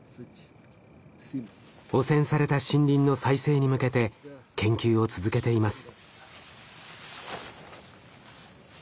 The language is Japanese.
汚染された森林の再生に向けて研究を続けています。